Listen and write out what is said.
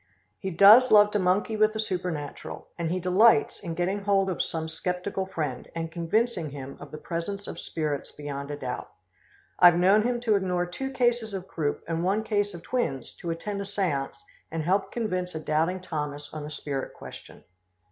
He does love to monkey with the supernatural, and he delights in getting hold of some skeptical friend and convincing him of the presence of spirits beyond a doubt. I've known him to ignore two cases of croup and one case of twins to attend a seance and help convince a doubting Thomas on the spirit question.